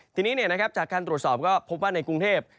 ทีนี้จากการตรวจสอบก็พบว่าในกรุงเทพ